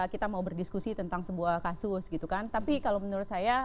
kita mau berdiskusi tentang sebuah kasus gitu kan tapi kalau menurut saya